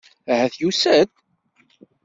Ahat yusa-d.